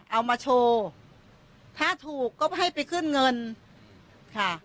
เอามาโชว์ถ้าถูกก็ให้ไปขึ้นเงินค่ะ